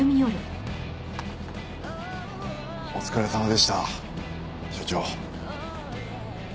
お疲れさまでした署長。